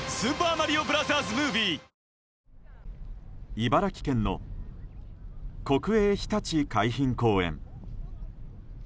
茨城県の国営ひたち海浜公園。